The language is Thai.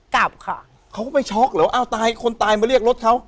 กลับค่ะเขาก็ไปช็อกเหรออ้าวตายคนตายมาเรียกรถเขา